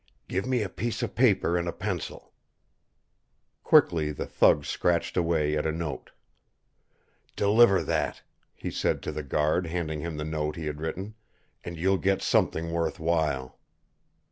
"Give me a piece of paper and a pencil." Quickly the thug scratched away at a note. "Deliver that," he said to the guard, handing him the note he had written, "and you'll get something worth while."